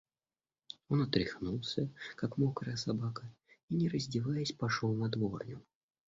Он отряхнулся, как мокрая собака, и, не раздеваясь, пошел на дворню.